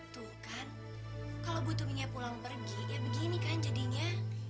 tuh kan kalau butuhnya pulang pergi ya begini kan jadinya